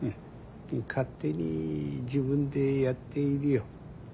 勝手に自分でやっているよ。